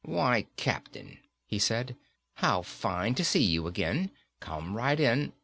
"Why, Captain," he said. "How fine to see you again. Come right in.